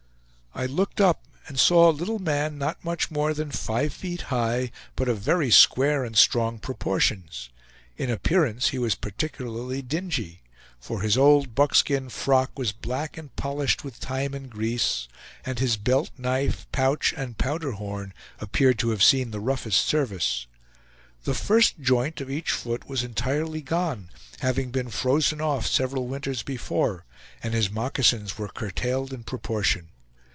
I looked up and saw a little man, not much more than five feet high, but of very square and strong proportions. In appearance he was particularly dingy; for his old buckskin frock was black and polished with time and grease, and his belt, knife, pouch, and powder horn appeared to have seen the roughest service. The first joint of each foot was entirely gone, having been frozen off several winters before, and his moccasins were curtailed in proportion.